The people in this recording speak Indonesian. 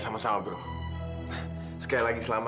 masih menunggu di sana